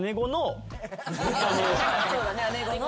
そうだね姉御の。